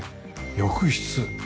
浴室。